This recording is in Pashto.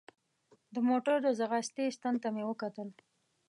د موټر د ځغاستې ستن ته مې وکتل.